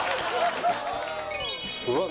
うわっ